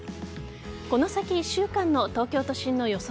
この先１週間の東京都心の予想